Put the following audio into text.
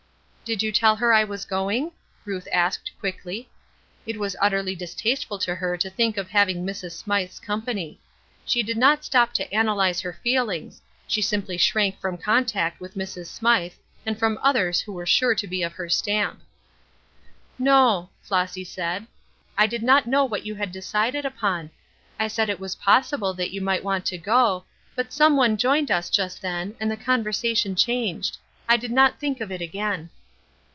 "Did you tell her I was going?" Ruth asked, quickly. It was utterly distasteful to her to think of having Mrs. Smythe's company. She did not stop to analyze her feelings; she simply shrank from contact with Mrs. Smythe and from others who were sure to be of her stamp. "No," Flossy said, "I did not know what you had decided upon; I said it was possible that you might want to go, but some one joined us just then and the conversation changed: I did not think of it again."